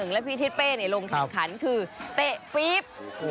และพี่ทิศเป้ลงแข่งขันคือเตะปี๊บ